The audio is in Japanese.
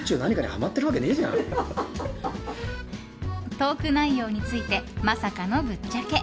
トーク内容についてまさかのぶっちゃけ！